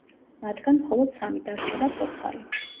მათგან მხოლოდ სამი დარჩება ცოცხალი.